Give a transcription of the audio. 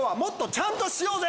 ちゃんとしようぜ！